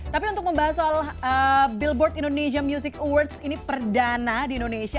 tapi untuk membahas soal billboard indonesia music awards ini perdana di indonesia